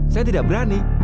saya tidak berani